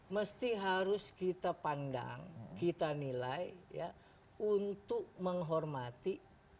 mesti harus kita pandang kita nilai untuk menghormati